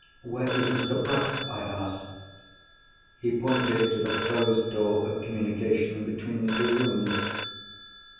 "Where is Mr. Bruff?" I asked. He pointed to the closed door of communication between the two rooms.